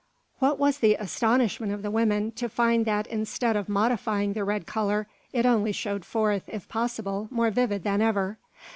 What was the astonishment of the women to find that instead of modifying the red colour, it only showed forth, if possible, more vivid than ever!